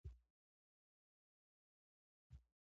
دا شعار په جګړه ییز حالت کې رامنځته شوی و